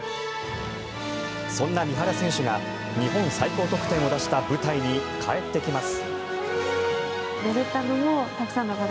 そんな三原選手が日本最高得点を出した舞台に帰ってきます。